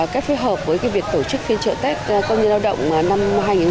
các phía hợp với việc tổ chức phiên trợ tết công nhân lao động năm hai nghìn một mươi chín